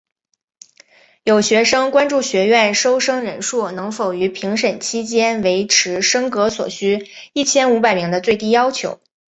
有学生关注学院收生人数能否于评审期间维持升格所需一千五百名的最低要求。